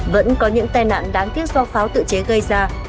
vẫn có những tai nạn đáng tiếc do pháo tự chế gây ra